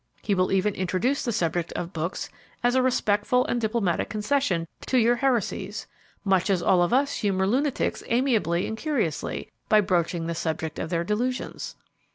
He will even introduce the subject of books as a respectful and diplomatic concession to your heresies much as all of us humor lunatics amiably and curiously, by broaching the subject of their delusions.